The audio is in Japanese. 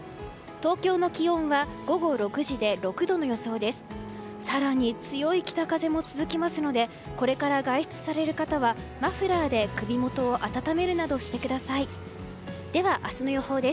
東京の気温は午後６時で６度の予想です。